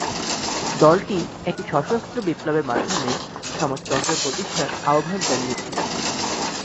দলটি একটি সশস্ত্র বিপ্লবের মাধ্যমে সমাজতন্ত্র প্রতিষ্ঠার আহ্বান জানিয়েছিল।